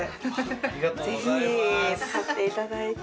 ぜひ使っていただいて。